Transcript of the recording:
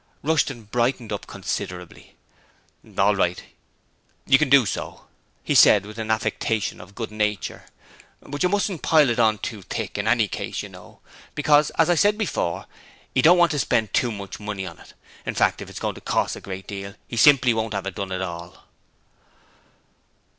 Rushton brightened up considerably. 'All right. You can do so,' he said with an affectation of good nature, 'but you mustn't pile it on too thick, in any case, you know, because, as I said before, 'e don't want to spend too much money on it. In fact, if it's going to cost a great deal 'e simply won't 'ave it done at all.'